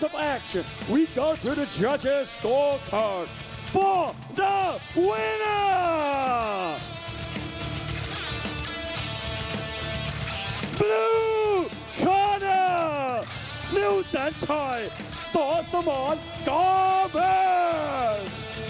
บลลุคอร์น่านิวแสนชัยสองสมอทต่อเผื้อ